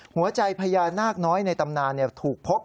หัวใจพญานาคน้อยในตำนานถูกพบ